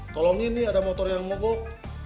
tolong ini ada motor yang mogok